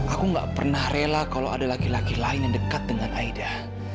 aku gak pernah rela kalau ada laki laki lain yang dekat dengan aida